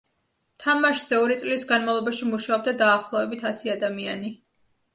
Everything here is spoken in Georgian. თამაშზე ორი წლის განმავლობაში მუშაობდა დაახლოებით ასი ადამიანი.